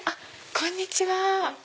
こんにちは。